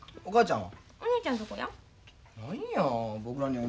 お母ちゃんは？